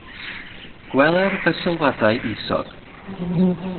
Gweler fy sylwadau isod.